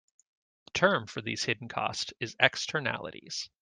The term for these hidden costs is "Externalities".